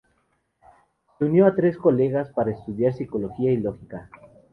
Se unió a tres colegas para estudiar psicología, y lógica.